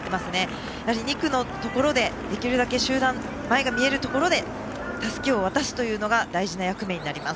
２区のところでできるだけ前が見えるところでたすきを渡すというのが大事な役目になります。